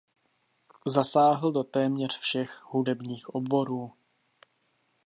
Zasáhl do téměř všech hudebních oborů.